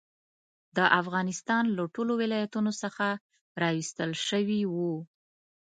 د افغانستان له ټولو ولایتونو څخه راوستل شوي وو.